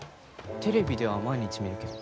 テレビでは毎日見るけど。